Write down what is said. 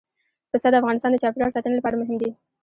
پسه د افغانستان د چاپیریال ساتنې لپاره مهم دي.